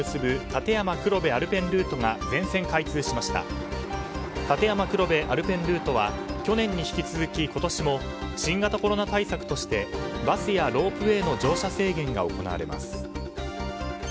立山黒部アルペンルートは去年に引き続き今年も新型コロナ対策としてバスやロープウェーの乗車制限が行われます。